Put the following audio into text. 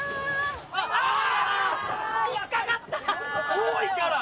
多いから！